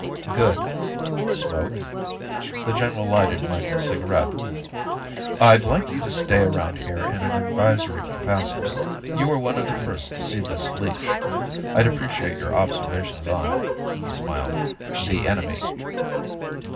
"Good. Smoke?" The general lighted Micheals' cigarette. "I'd like you to stay around here in an advisory capacity. You were one of the first to see this leech. I'd appreciate your observations on " he smiled "the enemy."